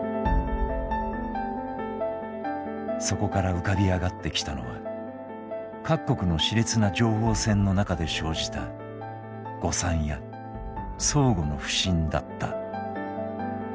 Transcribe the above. そこから浮かび上がってきたのは各国の熾烈な情報戦の中で生じた誤算や相互の不信だった。